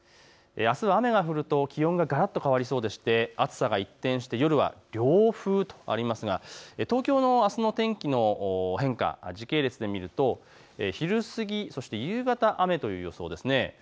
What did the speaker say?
あすは雨が降ると気温ががらっと変わりそうでして暑さが一転して夜は涼風とありますが、東京のあすの天気の変化、時系列で見ると昼過ぎ、夕方雨という予想です。